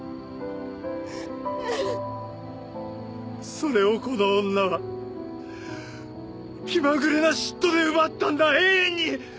それをこの女は気まぐれな嫉妬で奪ったんだ永遠に！